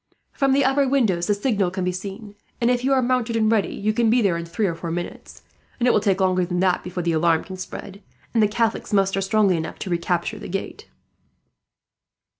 From the upper windows the signal can be seen and, if you are mounted and ready, you can be there in three or four minutes; and it will take longer than that before the alarm can spread, and the Catholics muster strongly enough to recapture the gate."